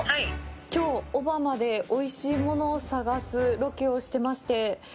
きょう小浜で、おいしいものを探すロケをしてまして。